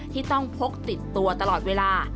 ที่ต้องพกติดตัวตลอดเวลา